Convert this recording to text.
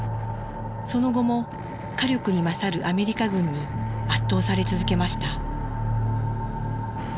その後も火力に勝るアメリカ軍に圧倒され続けました。